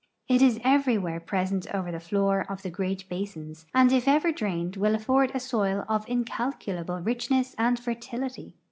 It is everywhere present over the floor of the great basins, and if ever drained will afford a soil of incalculable richne.ss and fertility.